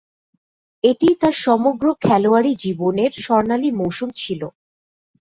এটিই তার সমগ্র খেলোয়াড়ী জীবনের স্বর্ণালী মৌসুম ছিল।